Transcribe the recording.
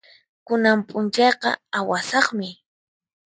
Kunan p'unchayqa awasaqmi.